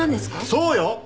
そうよ！